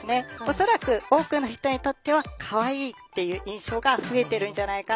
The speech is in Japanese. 恐らく多くの人にとってはかわいいっていう印象が増えてるんじゃないかなって思います。